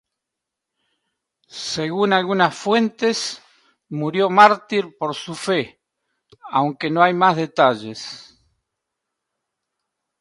Según algunas fuentes, murió mártir por su fe, aunque no hay más detalles.